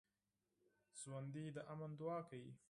ژوندي د امن دعا کوي